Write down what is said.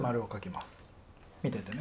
見ててね。